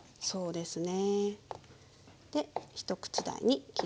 そうですね！